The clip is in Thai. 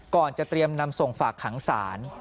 ก่อนจะเตรียมนำส่งฝากขังศาล